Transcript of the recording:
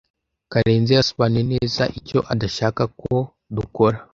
Karenzi yasobanuye neza icyo adashaka ko dukora.